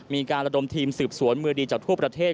มีการระดมทีมสืบสวนมือดีจากทั่วประเทศ